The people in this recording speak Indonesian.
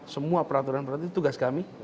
semua peraturan peraturan itu tugas kami